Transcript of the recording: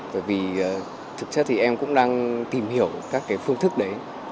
bởi vì thực chất thì em cũng đang tìm hiểu các phương thức đấy